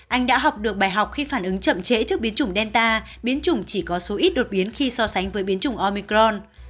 anh đã học được bài học khi phản ứng chậm trễ trước biến chủng delta biến chủng chỉ có số ít đột biến khi so sánh với biến chủng omicron